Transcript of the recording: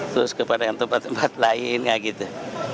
terus ke tempat tempat lain gak gitu